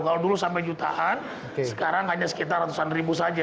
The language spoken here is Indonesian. kalau dulu sampai jutaan sekarang hanya sekitar ratusan ribu saja